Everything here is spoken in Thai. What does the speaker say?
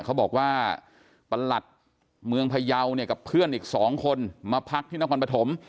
เขาบอกว่าประหลัดเมืองพยาวเนี่ยกับเพื่อนอีก๒คนมาพักที่นครปฐม